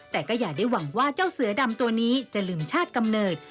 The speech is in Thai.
แต่ก็อย่าได้หวังว่าเจ้าเสือดำตัวนี้จะลืมชาติกำเนิด